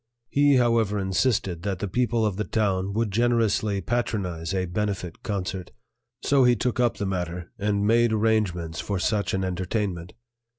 He, however, insisted that the people of the town would generously patronize a benefit concert; so he took up the matter and made arrangements for such an entertainment.